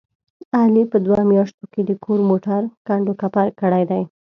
علي په دوه میاشتو کې د کور موټر کنډ کپر کړی دی.